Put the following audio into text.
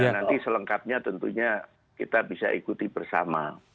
nanti selengkapnya tentunya kita bisa ikuti bersama